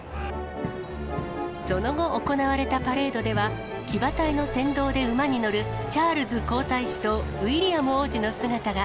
その後行われたパレードでは、騎馬隊の先導で馬に乗るチャールズ皇太子とウィリアム王子の姿が。